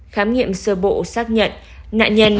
khám nghiệm sơ bộ xác nhận nạn nhân